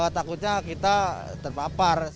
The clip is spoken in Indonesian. takutnya kita terpapar